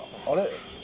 「あれ？